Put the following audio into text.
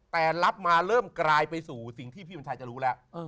แต่รับมาเริ่มกลายไปสู่สิ่งที่พี่วัญชัยจะรู้แล้ว